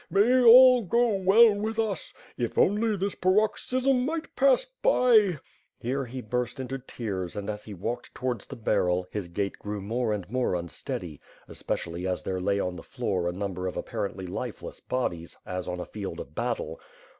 May all go well with us. If only this paroxsym might pass by!" Here, he burst into tears and, as he walked towards the barrel, his gait grew more and more unsteady, especially as there lay on the fioor a number of apparently lifeless bodies, as on a field of battle.